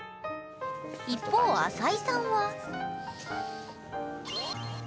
一方淺井さんは？